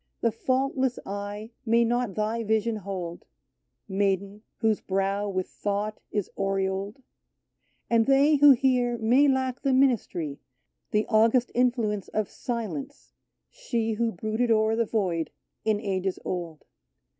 The faultless eye may not thy vision hold — Maiden, whose brow with thought is aureoled — And they who hear may lack the ministry. The august influence of Silence, she Who brooded o'er the void in ages old.